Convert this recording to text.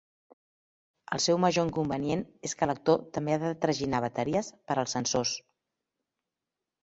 El seu major inconvenient és que l'actor també ha de traginar bateries per als sensors.